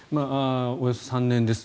およそ３年です。